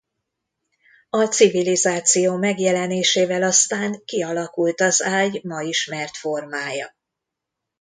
A civilizáció megjelenésével aztán kialakult az ágy ma ismert formája.